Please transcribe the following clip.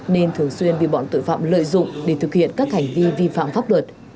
nên thường xuyên bị bọn tội phạm lợi dụng để thực hiện các hành vi vi phạm pháp luật